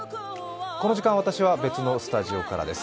この時間、私は別のスタジオからです。